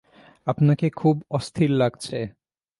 আপনাকে খুব অস্থির লাগছে।